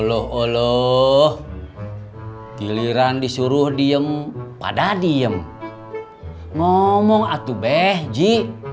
oloh oloh giliran disuruh diem pada diem ngomong atuh beh ji